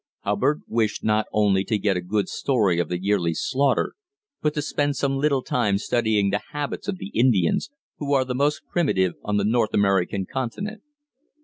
Hubbard wished not only to get a good story of the yearly slaughter, but to spend some little time studying the habits of the Indians, who are the most primitive on the North American continent.